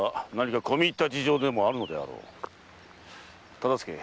忠相。